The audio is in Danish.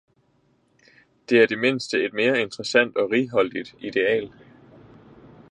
Det er i det mindste et mere interessant og righoldigt ideal.